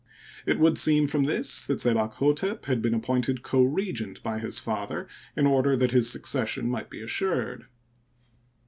It would seem from this that Se bakh6tep had been appointed co regent by his father in order that his succession might be assured.